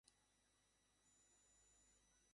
এরপর, বললাম, আচ্ছা ঠিক আছে।